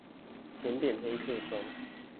甜點黑客松